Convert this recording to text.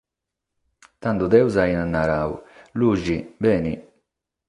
Tando Deus aiat naradu: Lughe, beni!